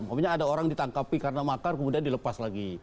maksudnya ada orang ditangkapi karena makar kemudian dilepas lagi